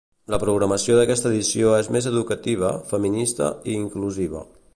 La programació d'aquesta edició és més educativa, feminista i inclusiva.